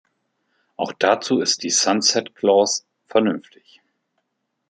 Auch dazu ist die sunset clause vernünftig.